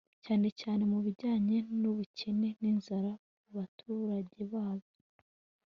cyane cyane mu bijyane n' ubukene n' inzara ku baturage bayo